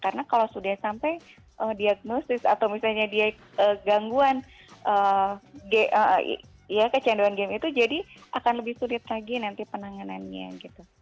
karena kalau sudah sampai diagnosis atau misalnya dia gangguan kecanduan game itu jadi akan lebih sulit lagi nanti penanganannya gitu